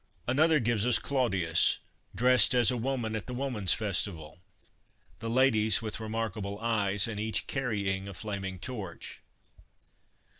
Another, gives us Claudius dressed as a woman at the women's festival the ladies with remarkable eyes, and each carrying a flaming torch.